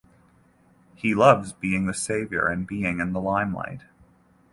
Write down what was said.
He loves being the saviour and being in the limelight.